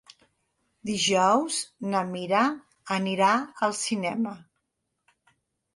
Dijous na Mira anirà al cinema.